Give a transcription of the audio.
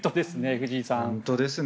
藤井さん。